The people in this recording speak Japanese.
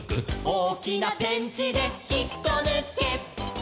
「おおきなペンチでひっこぬけ」